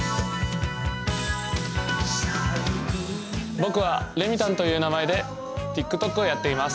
僕はレミたんという名前でＴｉｋＴｏｋをやっています。